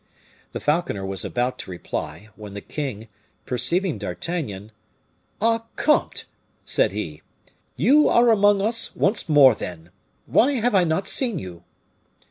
The falconer was about to reply, when the king, perceiving D'Artagnan, "Ah, comte!" said he, "you are amongst us once more then! Why have I not seen you?"